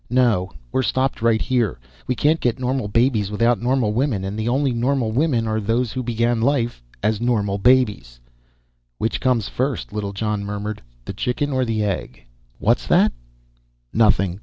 "No, we're stopped right here. We can't get normal babies without normal women, and the only normal women are those who began life as normal babies." "Which comes first?" Littlejohn murmured. "The chicken or the egg?" "What's that?" "Nothing.